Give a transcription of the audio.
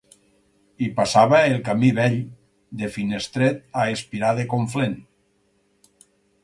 Hi passava el Camí Vell de Finestret a Espirà de Conflent.